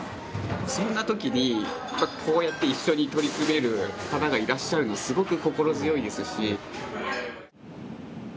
そんなときにこうやって一緒に取り組める方がいらっしゃるのはすごく心強いですし。